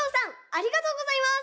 ありがとうございます。